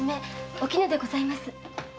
お絹でございます。